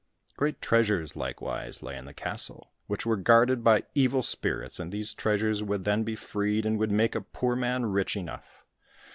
Great treasures likewise lay in the castle, which were guarded by evil spirits, and these treasures would then be freed, and would make a poor man rich enough.